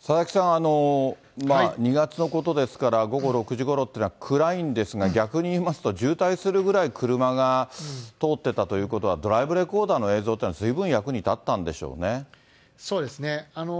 佐々木さん、２月のことですから、午後６時ごろっていうのは暗いんですが、逆にいいますと、渋滞するぐらい車が通ってたということは、ドライブレコーダーの映像というのは、ずいぶん役に立ったんでしそうですね。